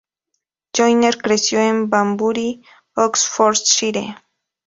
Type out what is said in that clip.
Joyner creció en Banbury, Oxfordshire.